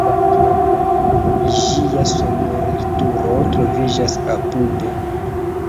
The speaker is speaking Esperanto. Ĝia sonorilturo troviĝas apude.